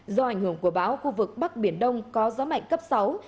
do ảnh hưởng của báo khu vực bắc biển đông có gió mạnh cấp sáu